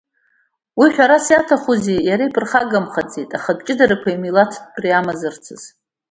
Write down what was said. Уи, ҳәарас иаҭахузеи, иара иаԥырхагамхаӡеит ахатә ҷыдарақәеи амилаҭтәреи амазаарц азы.